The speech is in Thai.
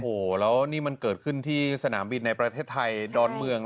โอ้โหแล้วนี่มันเกิดขึ้นที่สนามบินในประเทศไทยดอนเมือง